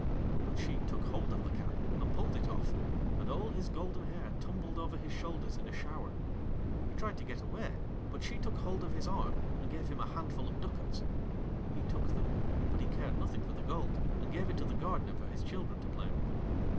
But she took hold of the cap, and pulled it off, and all his golden hair tumbled over his shoulders in a shower. It was quite a sight. He tried to get away, but she took hold of his arm, and gave him a handful of ducats. He took them, but he cared nothing for the gold, and gave it to the Gardener for his children to play with.